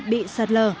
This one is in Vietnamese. bị sạt lở